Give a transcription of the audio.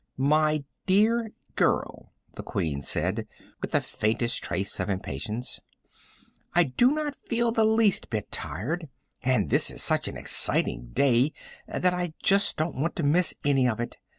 "My dear girl," the Queen said, with the faintest trace of impatience, "I do not feel the least bit tired, and this is such an exciting day that I just don't want to miss any of it.